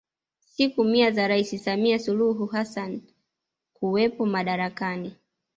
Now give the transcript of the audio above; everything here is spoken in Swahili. Siku mia za Rais Samia Suluhu Hassan kuwepo madarakani